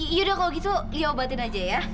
yaudah kalau gitu liat obatin aja ya